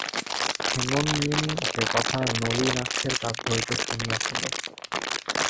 হেমনলিনী সে কথা নলিনাক্ষের কাছ হইতে শুনিয়াছিল।